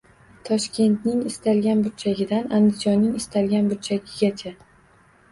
Toshkentning istalgan burchagidan Andijonning istalgan burchagigacha